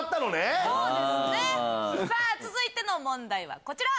さぁ続いての問題はこちら。